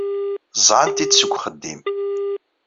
Ẓẓɛen-t-id seg uxeddim.